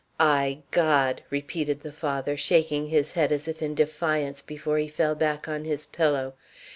"Ay, God!" repeated the father, shaking his head as if in defiance before he fell back on his pillow.